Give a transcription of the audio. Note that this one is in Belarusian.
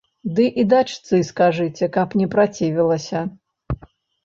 Ды і дачцы скажыце, каб не працівілася.